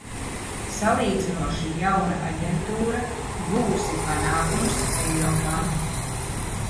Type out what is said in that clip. Salīdzinoši jauna aģentūra guvusi panākumus Eiropā.